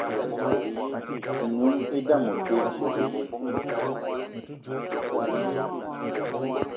N'noung i dame o te dji.